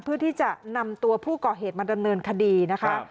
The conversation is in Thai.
เพื่อที่จะนำตัวผู้ก่อเหตุมาดำเนินคดีนะคะ